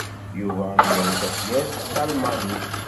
Yuba ad d-yaru tafyirt s talmanit.